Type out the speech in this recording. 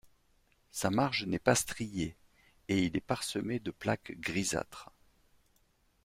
Sa marge n'est pas striée, et il est parsemé de plaques grisâtres.